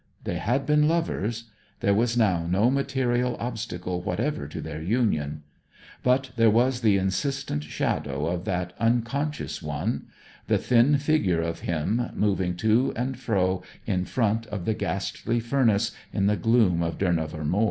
They had been lovers. There was now no material obstacle whatever to their union. But there was the insistent shadow of that unconscious one; the thin figure of him, moving to and fro in front of the ghastly furnace in the gloom of Durnover Moor.